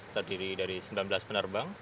terdiri dari sembilan belas penerbang